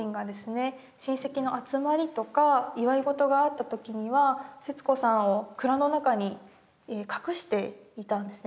親戚の集まりとか祝い事があった時には節子さんを蔵の中に隠していたんですね。